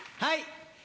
はい。